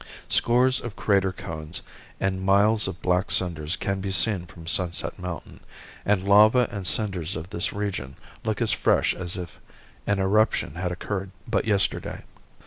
Scores of crater cones and miles of black cinders can be seen from Sunset Mountain, and lava and cinders of this region look as fresh as if an eruption had occurred but yesterday.